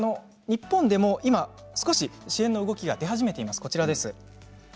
日本でも今、少し支援の動きが出始めています。